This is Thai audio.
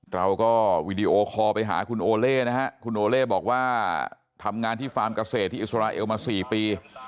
เราก็วีดีโอคอลไปหาคุณโอเล่นะฮะคุณโอเล่บอกว่าทำงานที่ฟาร์มเกษตรที่อิสราเอลมา๔ปี